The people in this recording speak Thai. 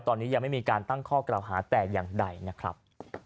ตอนนี้ยังไม่มีการตั้งข้อกล่าวหาแต่อย่างใดนะครับ